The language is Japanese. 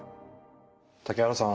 竹原さん